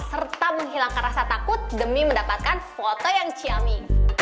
serta menghilangkan rasa takut demi mendapatkan foto yang ciami